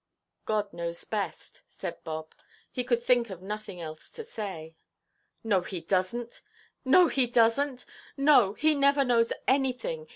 "God knows best," said Bob; he could think of nothing else to say. "No, He doesnʼt. No, He doesnʼt. No, He never knows anything.